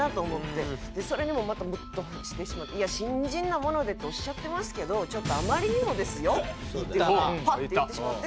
それにもまたムッとしてしまって「いや“新人なもので”っておっしゃってますけどちょっとあまりにもですよ」ってパッて言ってしまって。